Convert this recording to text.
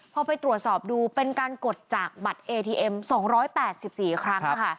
พอไปตรวจสอบดูเป็นการกดจากบัตรเอทีเอ็ม๒๘๔ครั้ง